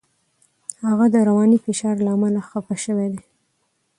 هغه د رواني فشار له امله خپه شوی دی.